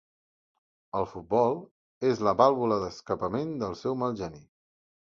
El futbol és la vàlvula d'escapament del seu mal geni.